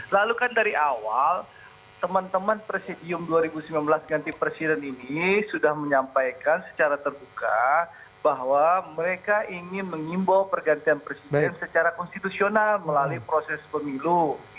lalu kan dari awal teman teman presidium dua ribu sembilan belas ganti presiden ini sudah menyampaikan secara terbuka bahwa mereka ingin mengimbau pergantian presiden secara konstitusional melalui proses pemilu